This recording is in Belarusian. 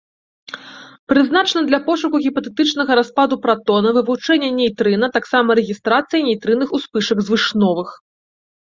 Прызначаны для пошуку гіпатэтычнага распаду пратона, вывучэння нейтрына, а таксама рэгістрацыі нейтрынных успышак звышновых.